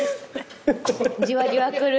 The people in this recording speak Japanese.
じわじわくる。